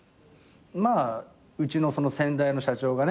まあうちの先代の社長がね